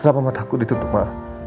kenapa mata aku ditutup ma